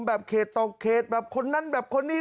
แบบเขตต่อเขตแบบคนนั้นแบบคนนี้